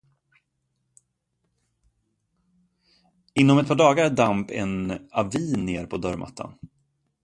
Inom ett par dagar damp en avi ner på dörrmattan.